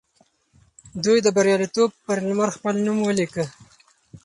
دوی د بریالیتوب پر لمر خپل نوم ولیکه.